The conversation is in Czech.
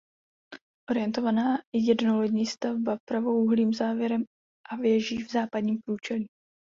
Orientovaná jednolodní stavba pravoúhlým závěrem a věží v západním průčelí.